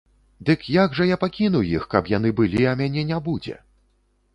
Дык як жа я пакіну іх, каб яны былі, а мяне не будзе!